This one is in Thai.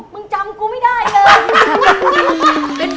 มึงจำกูไม่ได้เลย